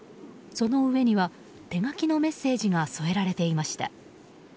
その上には手書きのメッセージが添えられていました。